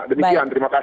demikian terima kasih